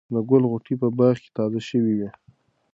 د ګل غوټۍ په باغ کې تازه شوې وې.